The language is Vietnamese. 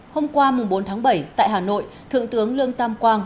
hôm qua bốn tháng bảy tại hà nội thượng tướng lương tam quang